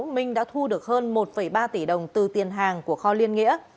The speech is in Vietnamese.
minh đã thu được hơn một ba tỷ đồng từ tiền hàng của kho liên nghĩa